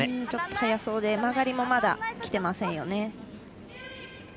ちょっと速そうで曲がりも、まだきてませんよね。